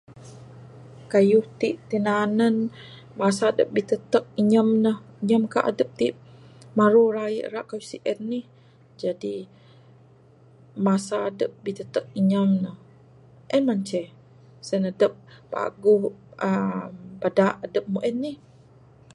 Keyuh t tinanen masa dep bitetek inyam ne nyam kah adep t maru raye ira keyuh sien nih. Jadi masa dep bitetek nyam ne en mah ceh sien dep paguh uhh beda adep mun en nih.